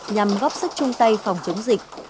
nhằm góp sức chung tay phòng chống dịch